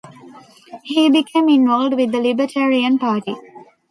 He became involved with the Libertarian Party.